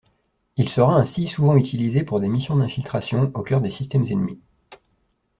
Il sera ainsi souvent utilisé pour des missions d'infiltration au cœur des systèmes ennemis.